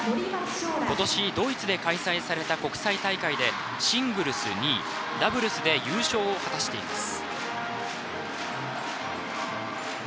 今年ドイツで開催された国際大会でシングルス２位ダブルスで優勝を果たしています。